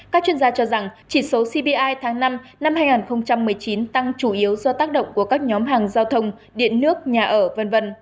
các chuyên gia cho rằng chỉ số cpi tháng năm năm hai nghìn một mươi chín tăng chủ yếu do tác động của các nhóm hàng giao thông điện nước nhà ở v v